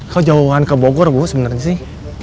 kalau jauhan ke bogor bu sebenarnya sih